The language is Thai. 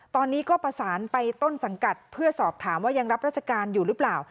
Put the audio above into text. ตอนนี้ก็ประสานไปต้นสังกัดเพื่อสอบถามว่ายังรับราชการอยู่หรือเปล่า